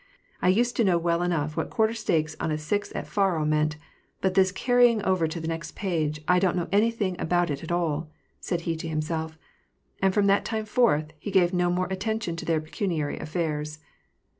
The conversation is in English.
" I used to know well enough what quarter stakes on a six at faro meant ; but this carrying over to the next page, I don't know anything about it at all," said he to himself ; and from that time forth, he gave no more attention to their pecuniary affairs.